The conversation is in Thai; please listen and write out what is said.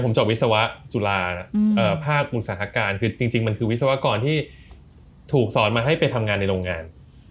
ผมจบวิศวะจุฬาภาคอุตสาหการคือจริงมันคือวิศวกรที่ถูกสอนมาให้ไปทำงานในโรงงาน